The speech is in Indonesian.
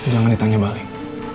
jangan ditanya baling